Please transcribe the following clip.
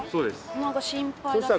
なんか心配だけど。